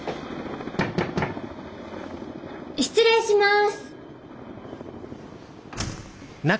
失礼します！